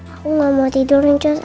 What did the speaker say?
aku gak mau tidur rencana